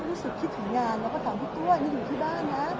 รู้สึกคิดถึงงานแล้วก็ถามพี่ตัวนี่อยู่ที่บ้านนะ